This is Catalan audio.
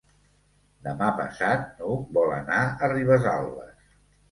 Demà passat n'Hug vol anar a Ribesalbes.